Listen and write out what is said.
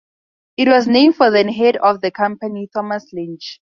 It was named for then-head of the company, Thomas Lynch.